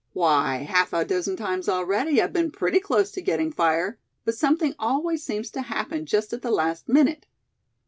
Why, half a dozen times already I've been pretty close to getting fire; but something always seemed to happen just at the last minute.